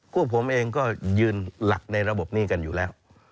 พวกผมเองก็ยืนหลักในระบบนี้กันอยู่แล้ว